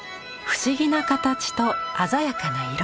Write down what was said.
不思議な形と鮮やかな色。